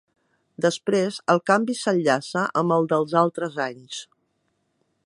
Després, el canvi s'enllaça amb el dels altres anys.